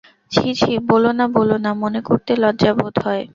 ছী ছী, বলো না, বলো না, মনে করতে লজ্জা বোধ হয়।